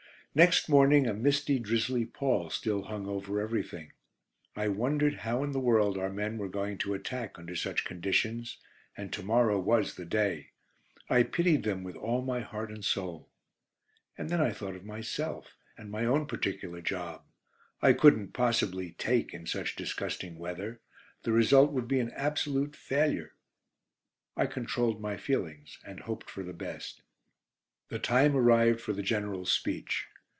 Next morning a misty, drizzly pall still hung over everything. I wondered how in the world our men were going to attack under such conditions, and to morrow was "The Day." I pitied them with all my heart and soul. And then I thought of myself, and my own particular job. I couldn't possibly "take" in such disgusting weather. The result would be an absolute failure. I controlled my feelings, and hoped for the best. The time arrived for the General's speech.